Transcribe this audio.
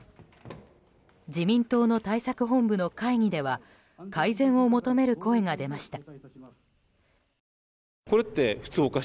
自民党の対策本部の会議では改善を求める声が出ました。